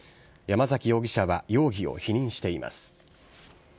山崎容疑者は、容疑を否認しています。